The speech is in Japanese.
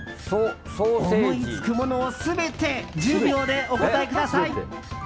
思いつくものを全て１０秒でお答えください。